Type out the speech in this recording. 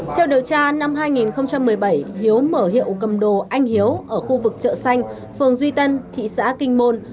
theo điều tra năm hai nghìn một mươi bảy hiếu mở hiệu cầm đồ anh hiếu ở khu vực chợ xanh phường duy tân thị xã kinh môn